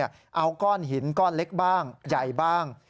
เอาก้อนหินก้อนเล็กบ้างใหญ่บ้าง